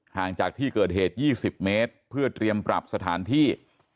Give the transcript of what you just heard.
ห่างจากที่เกิดเหตุ๒๐เมตรเพื่อเตรียมปรับสถานที่